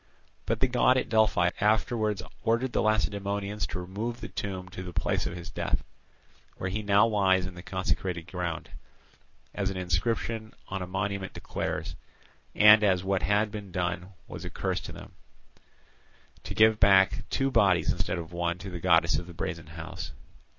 But the god at Delphi afterwards ordered the Lacedaemonians to remove the tomb to the place of his death—where he now lies in the consecrated ground, as an inscription on a monument declares—and, as what had been done was a curse to them, to give back two bodies instead of one to the goddess of the Brazen House.